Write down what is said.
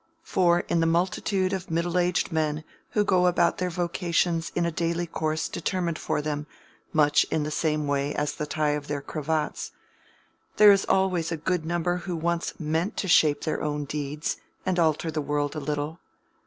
For in the multitude of middle aged men who go about their vocations in a daily course determined for them much in the same way as the tie of their cravats, there is always a good number who once meant to shape their own deeds and alter the world a little.